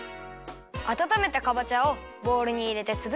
あたためたかぼちゃをボウルにいれてつぶすよ。